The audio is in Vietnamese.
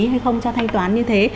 hay không cho thanh toán như thế